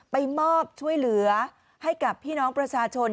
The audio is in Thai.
ไปมอบช่วยเหลือให้กับพี่น้องประชาชน